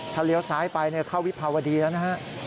ถ้าเลี้ยวซ้ายไปเข้าวิภาวดีแล้วนะฮะ